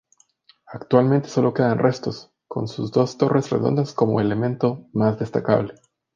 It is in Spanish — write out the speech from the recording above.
Actualmente sólo quedan restos, con sus dos torres redondas como elemento más destacable.